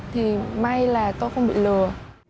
không bị lừa